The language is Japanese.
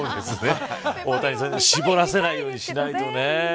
大谷選手に絞らせないようにしないとね。